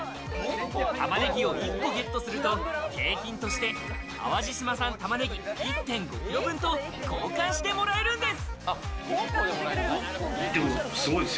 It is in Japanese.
玉ねぎを１個ゲットすると景品として淡路島産玉ねぎ１．５ｋｇ分と交換してもらえるんです。